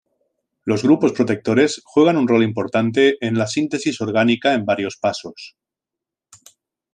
Los grupos protectores juegan un rol importante en la síntesis orgánica en varios pasos.